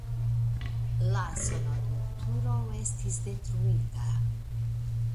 La sonorilturo estis detruita.